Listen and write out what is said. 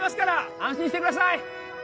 安心してください